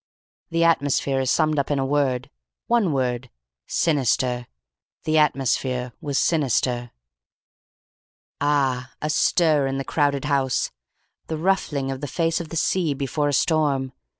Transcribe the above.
"The atmosphere is summed up in a word. One word. Sinister. The atmosphere was sinister. "AA! A stir in the crowded house. The ruffling of the face of the sea before a storm.